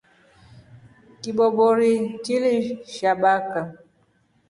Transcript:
Kibobori chili sha baka.